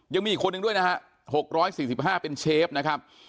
ยังมีอีกคนนึงด้วยนะฮะ๖๔๕เป็นเชฟนะครับ